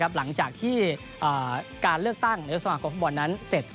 หลังจากที่การเลือกตั้งนายกสมาคมฟุตบอลนั้นเสร็จ